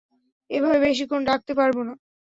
এভাবে বেশিক্ষণ রাখতে পারব না।